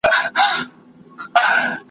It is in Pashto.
د کارګه په مخ کي وکړې ډیري غوري `